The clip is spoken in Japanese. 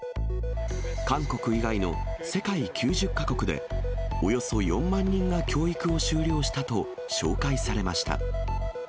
韓国以外の世界９０か国で、およそ４万人が教育を修了したと紹介されました。